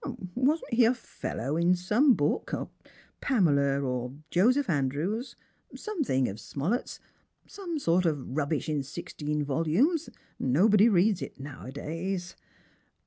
"Wasn't he a fellow in some book — Pamela or Joseph Andrews ? something of Smollett's P some sort of rubbish in sixteen volumes? Nobody reads it now a days."